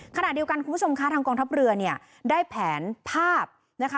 ขณะเดียวกันคุณผู้ชมคะทางกองทัพเรือเนี่ยได้แผนภาพนะคะ